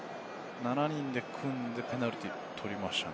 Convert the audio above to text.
７人で組んで、ペナルティーとりましたね。